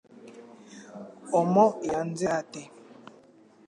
Omo yanze gukora menya ari pirate